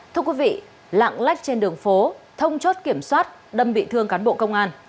thưa quý vị lạng lách trên đường phố thông chốt kiểm soát đâm bị thương cán bộ công an